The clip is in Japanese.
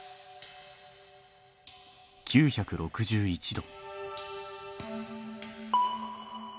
９６１℃。